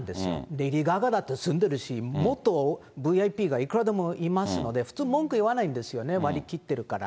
レディー・ガガだって住んでるし、もっとＶＩＰがいくらでもいますので、普通、文句言わないんですよね、割り切ってるから。